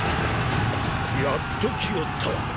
やっと来おったわ。